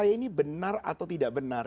ini benar atau tidak benar